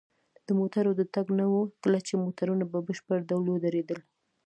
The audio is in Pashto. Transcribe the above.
د موټرو د تګ نه وه، کله چې موټرونه په بشپړ ډول ودرېدل.